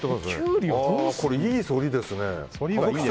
これ、いいそりですね。